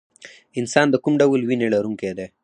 انسان د کوم ډول وینې لرونکی دی